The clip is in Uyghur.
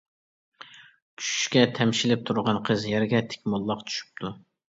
چۈشۈشكە تەمشىلىپ تۇرغان قىز يەرگە تىك موللاق چۈشۈپتۇ.